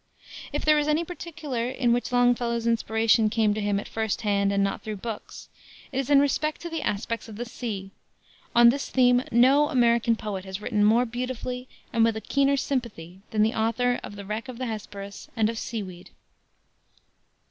If there is any particular in which Longfellow's inspiration came to him at first hand and not through books, it is in respect to the aspects of the sea. On this theme no American poet has written more beautifully and with a keener sympathy than the author of the Wreck of the Hesperus and of Seaweed.